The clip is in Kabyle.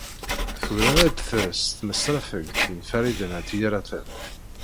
Tura ara d-tres tmesrafegt n Farid n At Yiraten.